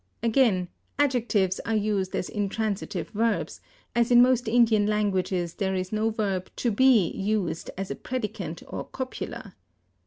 Again, adjectives are used as intransitive verbs, as in most Indian languages there is no verb to be used as a predicant or copula.